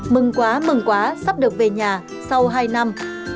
mừng quá mừng quá sắp được về nhà sau hai năm